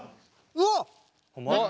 うわっ！